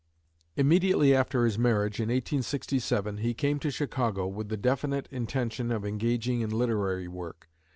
Immediately after his marriage, in 1867, he came to Chicago, with the definite intention of engaging in literary work.